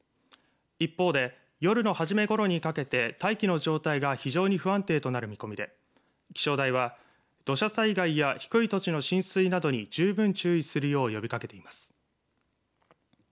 一方で、夜の初めごろにかけて大気の状態が非常に不安定となる見込みで気象台は土砂災害や低い土地の浸水などに十分注意するよう呼びかけています。